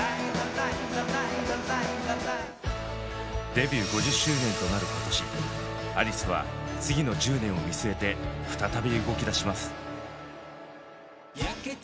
デビュー５０周年となる今年アリスは次の１０年を見据えて再び動きだします。